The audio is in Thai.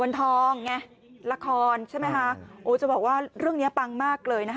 ทองไงละครใช่ไหมคะโอ้จะบอกว่าเรื่องเนี้ยปังมากเลยนะคะ